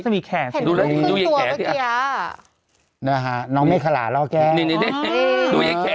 มีรูปมั้ยอยากเห็นเลยอ่ะ